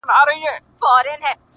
• د خپل ژوند عکس ته گوري ـ